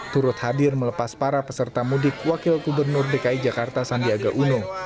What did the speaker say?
turut hadir melepas para peserta mudik wakil gubernur dki jakarta sandiaga uno